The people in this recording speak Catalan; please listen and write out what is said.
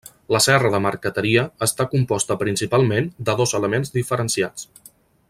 La serra de marqueteria està composta principalment de dos elements diferenciats.